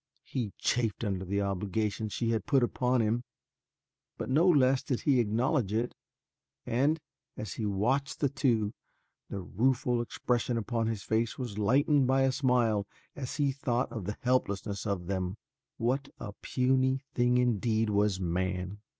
He chafed under the obligation she had put upon him, but no less did he acknowledge it and as he watched the two, the rueful expression upon his face was lightened by a smile as he thought of the helplessness of them. What a puny thing, indeed, was man!